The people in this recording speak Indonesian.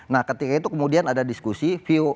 nah ketika itu kemudian ada diskusi view